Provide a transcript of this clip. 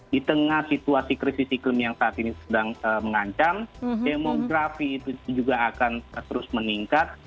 di tengah situasi krisis iklim yang saat ini sedang mengancam demografi itu juga akan terus meningkat